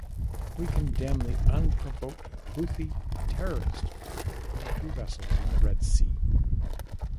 We condemn the unprovoked Houthi terrorist attack on two vessels in the Red Sea.